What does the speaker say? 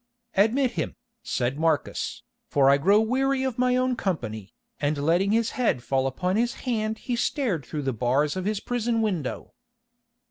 "Admit him," said Marcus, "for I grow weary of my own company," and letting his head fall upon his hand he stared through the bars of his prison window.